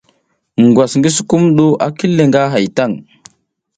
Ngwas ngi sukumɗu a kil le nga hay tan.